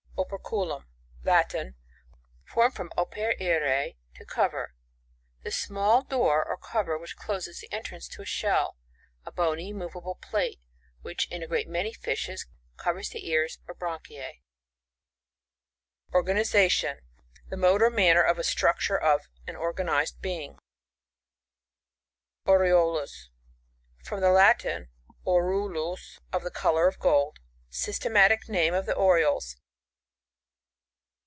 Operculum. — Latin. Formed from operirey to cover. The smalt door or covei which closes the entrance to a nhell. A bony, moveable plate which, in a great many fishes, coveis the ears or branchis. Organization. — The mode, or man ner of structure of an organized being. Oriolus. — From the Latin, aureolus, of the colour of go*d. Systematic name of the Orioles.